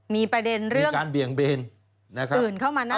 มีประเด็นเรื่องอื่นเข้ามาน่าสนใจมีการเบี่ยงเบนนะครับ